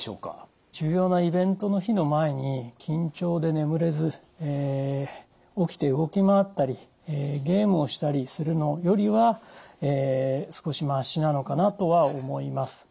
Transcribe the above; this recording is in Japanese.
重要なイベントの日の前に緊張で眠れず起きて動き回ったりゲームをしたりするのよりは少しましなのかなとは思います。